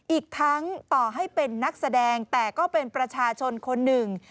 อีกทั้งต่อให้เป็นนักแสดงแต่ก็เป็นประชาชนคนหนึ่ง